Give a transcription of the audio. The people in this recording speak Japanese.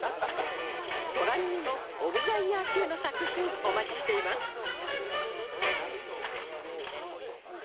空耳もオブ・ザ・イヤー級の作品お待ちしています